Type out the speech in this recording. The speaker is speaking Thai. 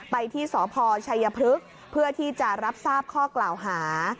ไปที่สพชัยพฤกษ์เพื่อที่จะรับทราบข้อกล่าวหา